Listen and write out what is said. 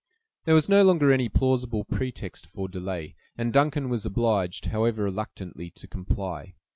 There was no longer any plausible pretext for delay; and Duncan was obliged, however reluctantly, to comply.